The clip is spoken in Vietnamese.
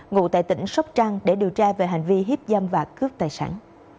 ngụ tại tỉnh sóc trăng để điều tra về hành vi hiếp dâm và cướp tài sản